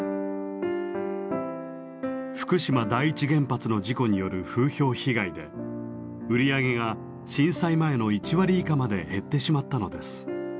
福島第一原発の事故による風評被害で売り上げが震災前の１割以下まで減ってしまったのです。